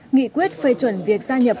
nghị quyết phê chuẩn việc gia nhập